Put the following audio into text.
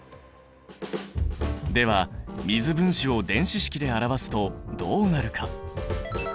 では水分子を電子式で表すとどうなるか？